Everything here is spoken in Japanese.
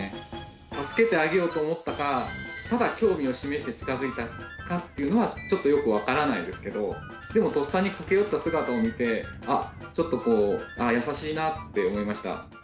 助けてあげようと思ったか、ただ興味を示して近づいたかっていうのは、ちょっとよく分からないですけど、でもとっさに駆け寄った姿を見て、あっ、ちょっと優しいなって思い